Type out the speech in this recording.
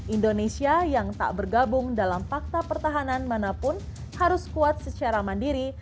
indonesia yang tak bergabung dalam fakta pertahanan manapun harus kuat secara mandiri